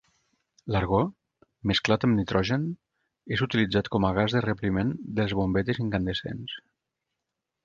L'argó, mesclat amb nitrogen, és utilitzat com a gas de rebliment de les bombetes incandescents.